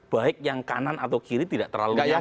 baik yang kanan atau kiri tidak terlalu yakin